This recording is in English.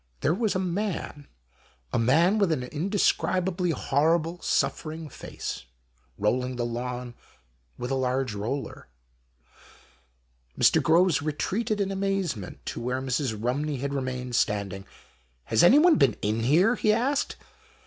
There was a man, a man with an indescrib ably horrible suffering face, rolling the lawn with a large roller. Mr. Groves retreated in amazement to where Mrs. Rumney had remained standing. " Has anyone been in here ?" he asked.